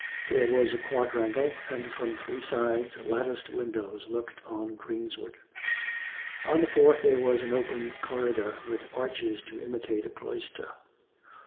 There was a quadrangle, and from three sides latticed windows looked on greensward; on the fourth there was an open corridor, with arches to imitate a cloister.